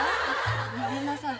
ごめんなさい。